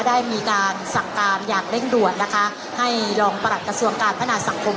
ได้มีการสั่งการอย่างเร่งด่วนนะคะให้รองประหลัดกระทรวงการพัฒนาสังคม